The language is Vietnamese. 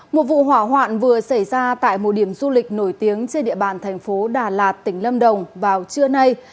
một vụ hỏa hoạn vừa xảy ra tại một điểm du lịch nổi tiếng trên địa bàn thành phố đà lạt tỉnh lâm đồng vào trưa nay